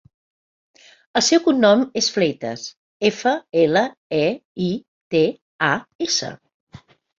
El seu cognom és Fleitas: efa, ela, e, i, te, a, essa.